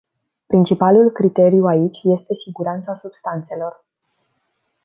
Principalul criteriu aici este siguranța substanțelor.